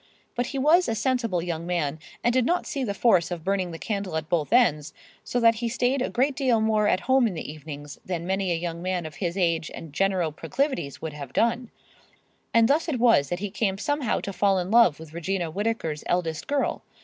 But he was a sensible young man and did not see the force of burning the candle at both ends, so that he stayed a great deal more at home in the [Pg 112]evenings than many a young man of his age and general proclivities would have done; and thus it was that he came somehow to fall in love with Regina Whittaker's eldest girl.